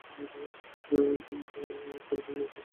তুই ভুল লোককে সাপোর্ট দিয়ে যাচ্ছিস।